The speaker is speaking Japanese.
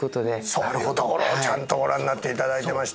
そういうところをちゃんとご覧になっていただいてました。